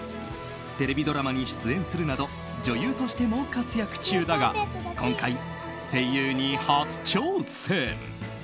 テレビドラマに出演するなど女優としても活躍中だが今回、声優に初挑戦。